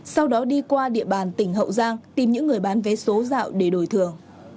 sau đó đi qua địa bàn tỉnh hậu giang tìm những người bán vé số dạo để đổi thường